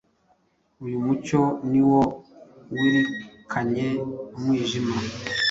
Uyu mucyo ni wo wirikanye umwijima